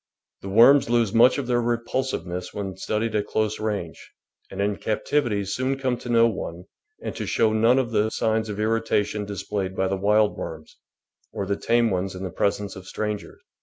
The worms lose much of their repulsive ness when studied at close range, and in captivity soon come to know one and to show none of the signs of irritation displayed by the wild worms, or the tame ones in the presence of strangers.